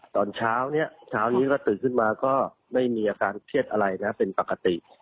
ตอนนี้ตื่นขึ้นมาก็ไม่มีอาการเครียดอะไรนะเป็นปกติ